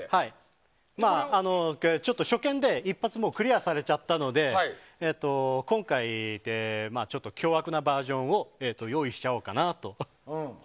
ちょっと初見で一発クリアされちゃったので今回、凶悪なバージョンを用意しちゃおうかなと。